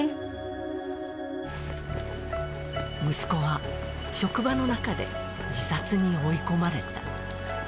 息子は職場の中で自殺に追い込まれた。